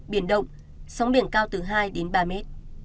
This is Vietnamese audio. biển động sóng biển cao từ hai đến ba mét